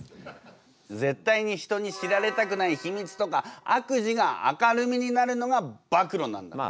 絶対に人に知られたくない秘密とか悪事が明るみになるのが暴露なんだから。